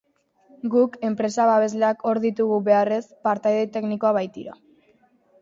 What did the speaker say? Guk, enpresa babesleak hor ditugu beharrez, partaide teknikoak baitira.